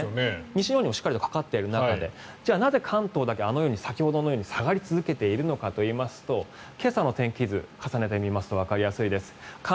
西日本にもしっかりとかかっている中でじゃあ、なぜ関東だけ先ほどのように下がり続けているのかというと今朝の天気図を重ねてみますとわかりやすいです。